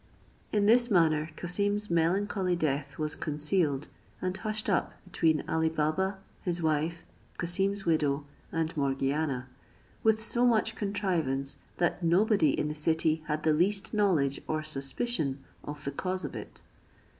In this manner Cassim's melancholy death was concealed, and hushed up between Ali Baba, his wife, Cassim's widow, and Morgiana, with so much contrivance, that nobody in the city had the least knowledge or suspicion of the cause of it.